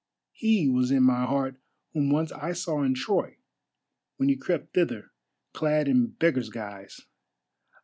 He was in my heart whom once I saw in Troy, when he crept thither clad in beggar's guise.